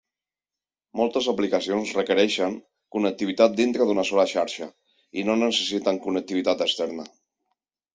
Moltes aplicacions requereixen connectivitat dintre d'una sola xarxa, i no necessiten connectivitat externa.